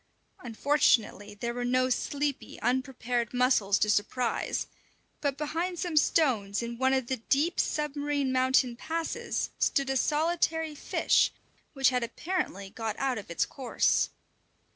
Unfortunately there were no sleepy, unprepared mussels to surprise; but behind some stones in one of the deep, submarine mountain passes stood a solitary fish, which had apparently got out of its course.